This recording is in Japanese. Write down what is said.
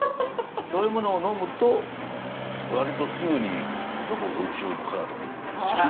そういうものを呑むと割とすぐにどこか宇宙のかなたに。